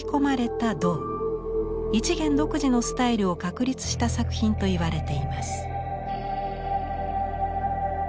一元独自のスタイルを確立した作品といわれています。